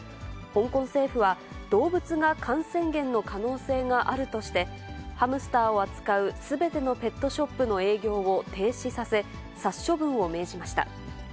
香港政府は、動物が感染源の可能性があるとして、ハムスターを扱うすべてのペットショップの営業を停止させ、殺処分を命じました。